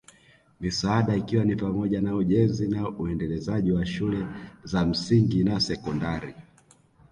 Misaada ikiwa ni pamoja na ujenzi na uendelezaji wa shule za msingi na sekondari